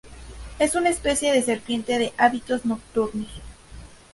Es una especie de serpiente de hábitos nocturnos.